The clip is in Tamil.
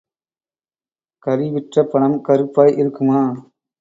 கரிவிற்ற பணம் கறுப்பாய் இருக்குமா?